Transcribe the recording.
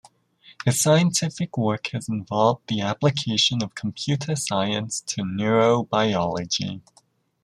His scientific work has involved the application of computer science to neurobiology.